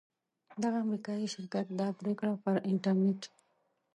دغه امریکایي شرکت دا پریکړه پر انټرنیټ